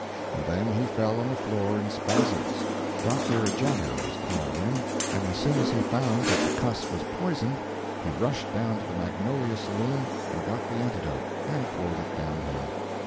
And then he fell on the floor in spasms. Dr. Tjader was called in, and as soon as he found that the cuss was poisoned, he rushed down to the Magnolia Saloon and got the antidote, and poured it down him.